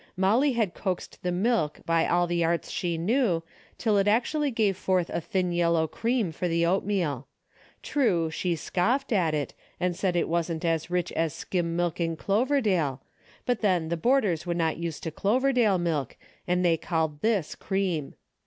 Molly had coaxed the milk by all the arts she knew, till it actually gave forth a thin yellow cream for the oatmeal. True, she scoffed at it and said it wasn't as rich as skim milk in Cloverdale, but then the boarders were not used to Clover dale milk, and they called this cream.